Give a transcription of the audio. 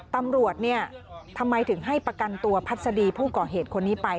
ตำรวจทำไมถึงให้ประกันตัวพัฒนธุ์ผู้เกาะเหตุคนนี้ไป